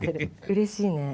うれしいね。